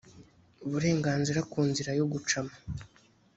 uburenganzira ku nzira yo gucamo